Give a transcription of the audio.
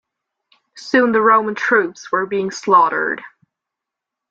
Soon the Roman troops were being slaughtered.